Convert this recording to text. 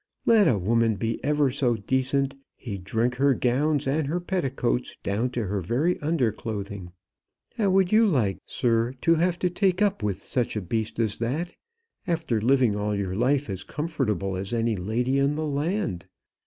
Let a woman be ever so decent, he'd drink her gowns and her petticoats, down to her very underclothing. How would you like, sir, to have to take up with such a beast as that, after living all your life as comfortable as any lady in the land?